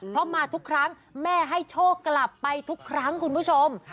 เพราะมาทุกครั้งแม่ให้โชคกลับไปทุกครั้งคุณผู้ชม